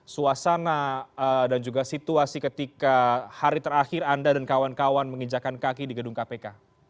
suasana dan juga situasi ketika hari terakhir anda dan kawan kawan menginjakan kaki di gedung kpk